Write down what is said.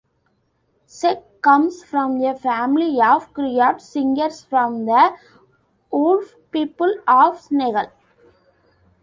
Seck comes from a family of "griot" singers from the Wolof people of Senegal.